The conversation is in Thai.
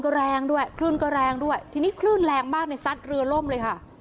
ก็แรงด้วยคลื่นก็แรงด้วยทีนี้คลื่นแรงมากในซัดเรือล่มเลยค่ะ